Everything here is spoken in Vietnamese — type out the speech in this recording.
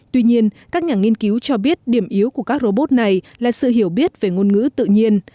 tuy nhiên các nhà nghiên cứu cho biết điểm yếu của các robot này là sự hiểu biết về ngôn ngữ tự nhiên